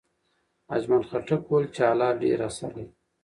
اجمل خټک وویل چې حالات ډېر اثر لري.